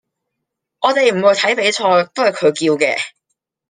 我哋唔去睇比賽，都係佢叫嘅